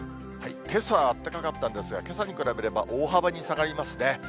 けさはあったかかったんですが、けさに比べれば、大幅に下がりますね。